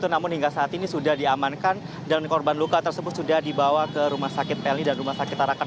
namun hingga saat ini sudah diamankan dan korban luka tersebut sudah dibawa ke rumah sakit pelni dan rumah sakit tarakan